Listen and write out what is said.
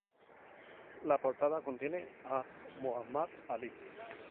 La portada contiene a Muhammad Ali.